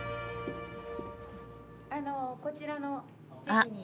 あのこちらの席に。